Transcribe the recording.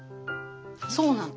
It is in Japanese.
そうなの。